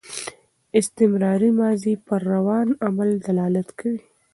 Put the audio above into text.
استمراري ماضي پر روان عمل دلالت کوي.